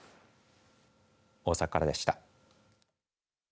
大阪からでした。